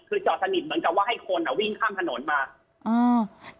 คือจอดสนิทเหมือนกับว่าให้คนอ่ะวิ่งข้ามถนนมาอ่า